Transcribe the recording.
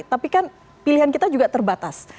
tapi kan pilihan kita juga terbatas